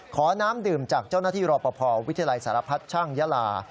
ขอน้ำดื่มจากเจ้าหน้าที่รอปภวิทยาลัยสารพัฒน์ช่างยาลา